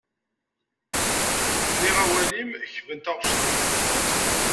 Nneɣ awal-im, kben taɣect-im.